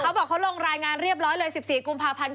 เขาบอกเขาลงรายงานเรียบร้อยเลย๑๔กุมภาพันธ์